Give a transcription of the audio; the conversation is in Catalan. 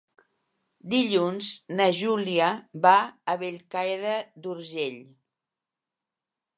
Dilluns na Júlia va a Bellcaire d'Urgell.